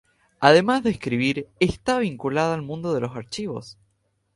Además de escribir, está vinculada al mundo de los archivos.